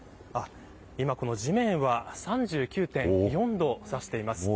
地面は３９．４度を指しています。